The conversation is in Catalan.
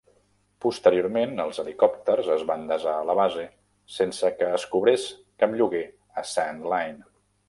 Posteriorment, els helicòpters es van desar a la base, sense que es cobrés cap lloguer a Sandline.